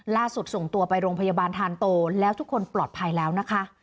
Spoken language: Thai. ส่งตัวไปโรงพยาบาลทานโตแล้วทุกคนปลอดภัยแล้วนะคะ